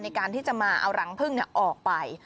ในการที่จะมาเอารังพึ่งออกไป